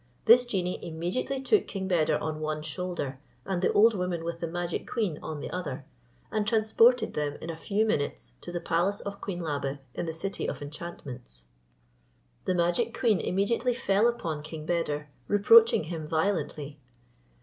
This genie immediately took King Beder on one shoulder, and the old woman with the magic queen on the other, and transported them in a few minutes to the palace of Queen Labe in the City of Enchantments. The magic queen immediately fell upon King Beder, reproaching him violently.